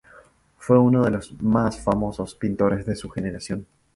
Fue uno de los más famosos pintores de su generación.